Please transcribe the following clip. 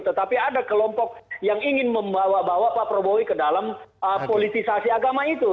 tetapi ada kelompok yang ingin membawa bawa pak prabowo ke dalam politisasi agama itu